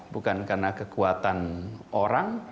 bukan karena kekuatan orang